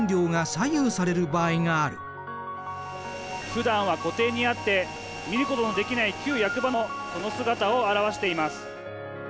「ふだんは湖底にあって見ることのできない旧役場もその姿を現しています」。